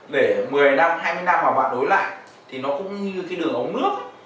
để một mươi năm hai mươi năm mà bạn đối lại thì nó cũng như cái đường ống nước